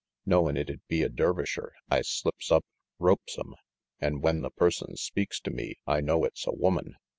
Knowin' it'd be a Der visher, I slips up, ropes 'em, an' when the person speaks to me I know it's a woman.